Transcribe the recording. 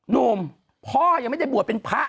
หนุ่มพ่อยังไม่ได้บวชเป็นพระ